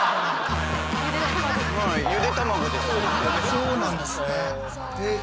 そうなんですね。